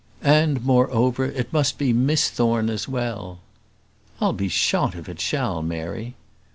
And, moreover, it must be Miss Thorne as well." "I'll be shot if it shall, Mary."